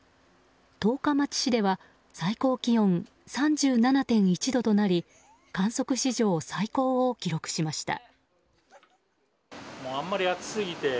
十日町市では最高気温３７．１度となり観測史上最高を記録しました。